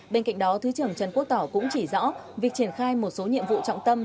bên cạnh đó thứ trưởng trần quốc tỏ cũng chỉ rõ việc triển khai một số nhiệm vụ trọng tâm